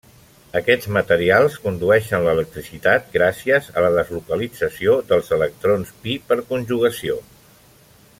Aquests materials condueixen l'electricitat gràcies a la deslocalització dels electrons pi per conjugació.